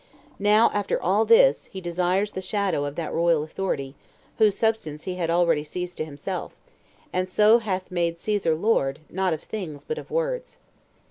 Now, after all this, he desires the shadow of that royal authority, whose substance he had already seized to himself, and so hath made Caesar lord, not of things, but of words.